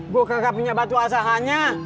gue karena punya batu asahannya